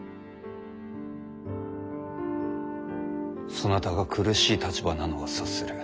そなたが苦しい立場なのは察する。